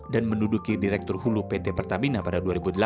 dan menduduki direktur hulu pt pertamina pada dua ribu delapan